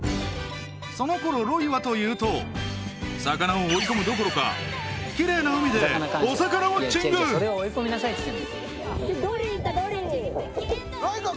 その頃ロイはというと魚を追い込むどころかきれいな海でお魚ウォッチングロイ君